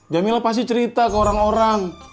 jamila pasti cerita ke orang orang